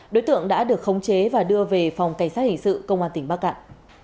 đối tượng đã được khống chế và đưa về phòng cảnh sát hình sự công an tỉnh bắc cạn